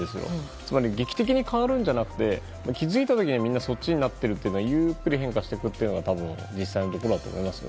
つまり劇的に変わるんじゃなくて気づいた時にはみんなそっちになってるというゆっくり変化していくのが実際のところだと思いますよ。